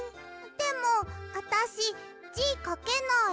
でもあたしじかけない。